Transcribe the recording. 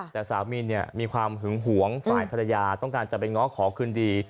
แต่สามีเนี่ยมีความหึงหวงฝ่ายภรรยาต้องการจะไปง้อขอคืนดี